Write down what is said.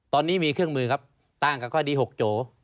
ตอนนี้มีเครื่องมือครับตั้งกับข้อดี๖โจ